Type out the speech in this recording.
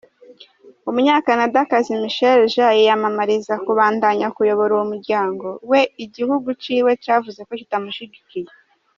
Umunyacanadakazi Michaëlle Jean yimamariza kubandanya kuyobora uwo muryango, we igihugu ciwe cavuze ko kitamushigikiye.